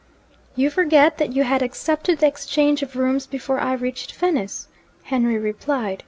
'You forget that you had accepted the exchange of rooms before I reached Venice,' Henry replied.